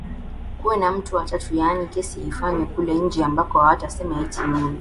kuwe na mtu wa tatu yaani kesi ifanyiwe kule nje ambako hawatasema eti huyu